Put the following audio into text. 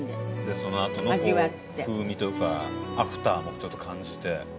そのあとの風味というかアフターもちょっと感じて。